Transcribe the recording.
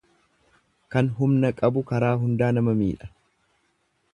Kan humna qabu karaa hundaa nama miidha.